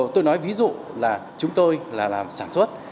tôi nói ví dụ là chúng tôi là làm sản xuất